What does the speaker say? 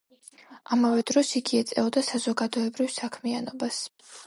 ამავე დროს იგი ეწეოდა საზოგადოებრივ საქმიანობას.